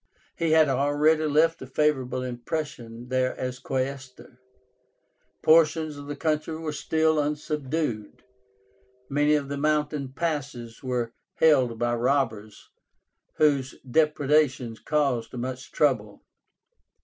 He had already left a favorable impression there as Quaestor. Portions of the country were still unsubdued. Many of the mountain passes were held by robbers, whose depredations caused much trouble.